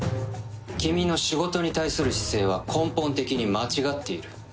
君の仕事に対する姿勢は根本的に間違っている。